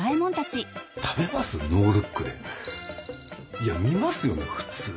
いや見ますよね普通。